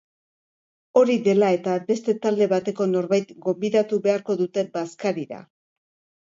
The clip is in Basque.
Hori dela eta, beste talde bateko norbait gonbidatu beharko dute bazkarira.